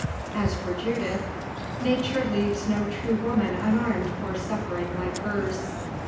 As for Judith, Nature leaves no true woman unarmed for suffering like hers.